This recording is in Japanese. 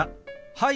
はい。